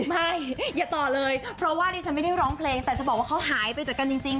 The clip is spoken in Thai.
ไม่อย่าต่อเลยเพราะว่าดิฉันไม่ได้ร้องเพลงแต่จะบอกว่าเขาหายไปจากกันจริง